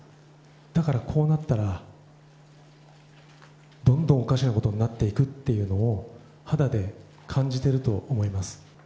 だからこうなったら、どんどんおかしなことになっていくっていうのを肌で感じてると思います。